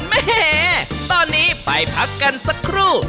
แม่ตอนนี้ไปพักกันสักครู่